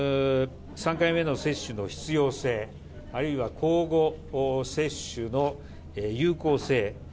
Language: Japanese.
３回目の接種の必要性あるいは交互接種の有効性